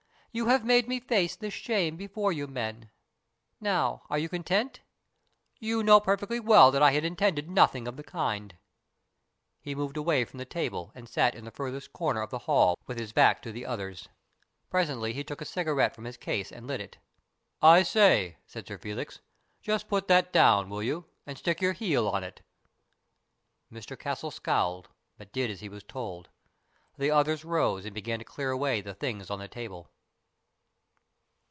You have made me face this shame before you men. Now are you content ?"" You know perfectly well that I had intended nothing of the kind." He moved away from the table, and sat in the farthest corner of the hall with his back to the 102 STORIES IN GREY others. Presently he took a cigarette from his case and lit it. " I say," said Sir Felix. " Just put that down, will you, and stick your heel on it." Mr Castle scowled, but did as he was told. The others rose and began to clear away the things on the table.